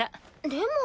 でも。